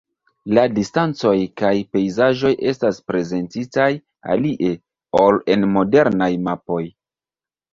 La distancoj kaj pejzaĝoj estas prezentitaj alie, ol en modernaj mapoj.